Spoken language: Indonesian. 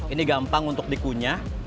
ini gampang untuk dikunyah